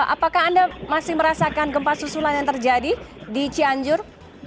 apakah anda masih merasakan gempa susulan yang terjadi di cianjur